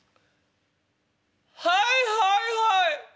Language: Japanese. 『はいはいはい！